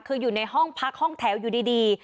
คืออยู่ในห้องพักห้องแถวอยู่ดี